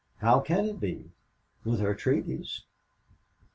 How can it be, with her treaties!